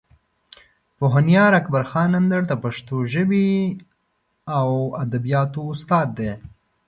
پوهنیار اکبر خان اندړ د پښتو ژبې او ادبیاتو استاد دی.